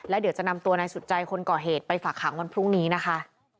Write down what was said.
เดี๋ยวจะนำตัวนายสุดใจคนก่อเหตุไปฝากหางวันพรุ่งนี้นะคะ